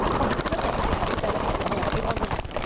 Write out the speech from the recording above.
だって、あいさつ大事って基本じゃないですか。